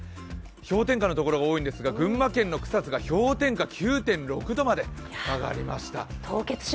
氷点下のところが多いんですが群馬県の草津が氷点下９．６度まで下がりました。